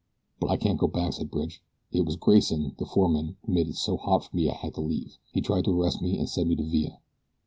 "But I can't go back," said Bridge; "it was Grayson, the foreman, who made it so hot for me I had to leave. He tried to arrest me and send me to Villa."